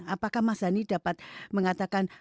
apakah mas dhani dapat mengatakan